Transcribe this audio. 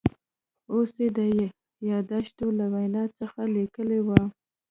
اوس یې د یاداشتونو له وینا څخه لیکلي و.